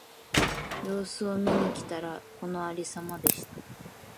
様子を見に来たら、このありさまでした。